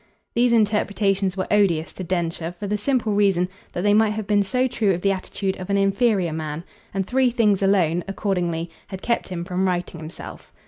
These interpretations were odious to Densher for the simple reason that they might have been so true of the attitude of an inferior man, and three things alone, accordingly, had kept him from righting himself.